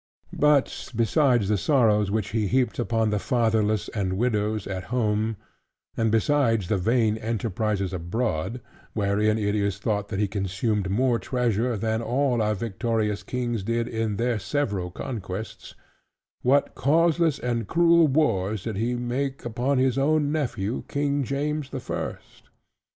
But besides the sorrows which he heaped upon the fatherless and widows at home: and besides the vain enterprises abroad, wherein it is thought that he consumed more treasure than all our victorious kings did in their several conquests; what causeless and cruel wars did he make upon his own nephew King James the First?